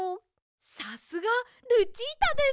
さすがルチータです！